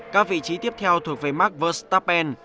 các vị trí tiếp theo thuộc về mark verstappen